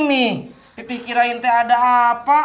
mimi pih pikirin ada apa